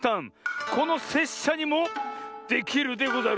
このせっしゃにもできるでござる。